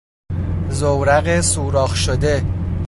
زورق سوراخ شده